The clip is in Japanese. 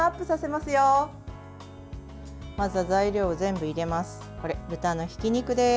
まずは材料を全部入れます。